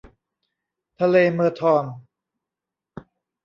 ทะเลเมอร์ทอน